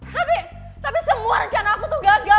tapi tapi semua rencana aku tuh gagal